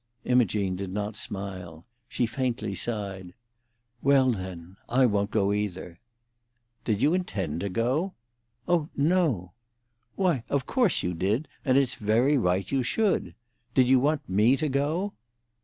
Imogene did not smile. She faintly sighed. "Well, then, I won't go either." "Did you intend to go?" "Oh no!" "Why, of course you did, and it's very right you should. Did you want me to go?"